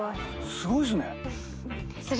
すごいですね。